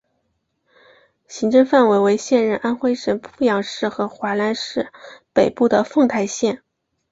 行政范围为现在安徽省阜阳市和淮南市北部的凤台县。